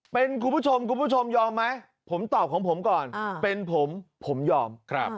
เป็นคุณผู้ชมคุณผู้ชมยอมไหมผมตอบของผมก่อนเป็นผมผมยอม